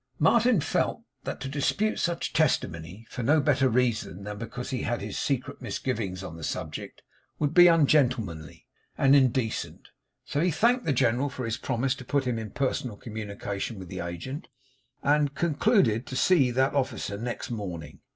Martin felt that to dispute such testimony, for no better reason than because he had his secret misgivings on the subject, would be ungentlemanly and indecent. So he thanked the General for his promise to put him in personal communication with the agent; and 'concluded' to see that officer next morning.